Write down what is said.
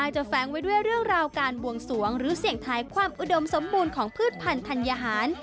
แฟ้งไว้ด้วยเรื่องราวการบวงสวงหรือเสี่ยงทายความอุดมสมบูรณ์ของพืชพันธัญหาร